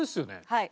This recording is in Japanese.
はい。